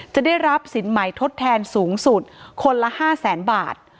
จะได้รับสินมัยทดแทนสูงสุดคนละ๕๐๐๐๐๐บาท